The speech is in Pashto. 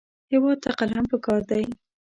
هېواد ته قلم پکار دی